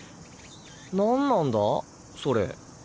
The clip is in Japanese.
何なんだそれ？